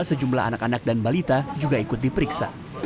sejumlah anak anak dan balita juga ikut diperiksa